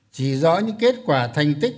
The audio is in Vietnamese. chỉ rõ những kết quả thành tích